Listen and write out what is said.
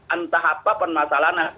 entah apa permasalahan